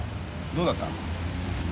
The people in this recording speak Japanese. どうだった？